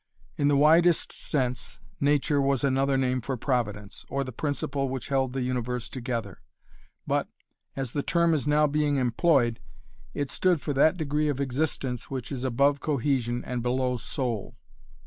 In the widest sense, Nature was another name for Providence, or the principle which held the universe together, but, as the term is now being employed, it stood for that degree of existence which is above cohesion and below soul.